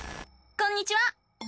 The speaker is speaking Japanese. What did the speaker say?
こんにちは！